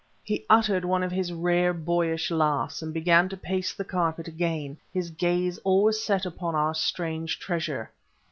He uttered one of his rare, boyish laughs, and began to pace the carpet again, his gaze always set upon our strange treasure.